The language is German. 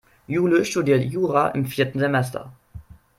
Jule studiert Jura im vierten Semester.